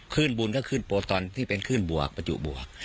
คลื่นบุญก็คลื่นโปรตอนที่เป็นคลื่นบวกประจุบวก